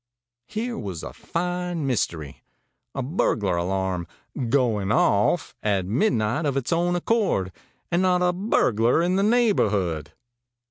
Here was a fine mystery a burglar alarm 'going off' at midnight of its own accord, and not a burglar in the neighborhood!